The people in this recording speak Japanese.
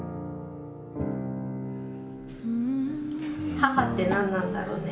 母って何なんだろうね？